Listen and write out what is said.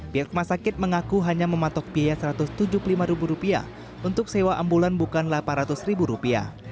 pihak rumah sakit mengaku hanya mematok biaya rp satu ratus tujuh puluh lima untuk sewa ambulan bukan rp delapan ratus